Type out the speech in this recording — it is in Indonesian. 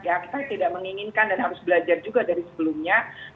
ya kita tidak menginginkan dan harus belajar juga dari sebelumnya